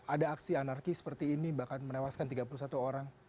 ada aksi anarki seperti ini bahkan menewaskan tiga puluh satu orang